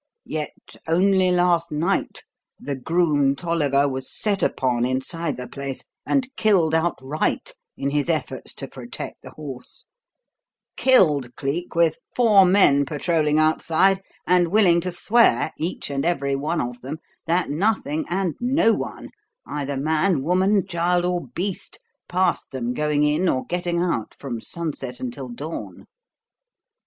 Yet only last night the groom, Tolliver, was set upon inside the place and killed outright in his efforts to protect the horse; killed, Cleek, with four men patrolling outside, and willing to swear each and every one of them that nothing and no one, either man, woman, child or beast, passed them going in or getting out from sunset until dawn."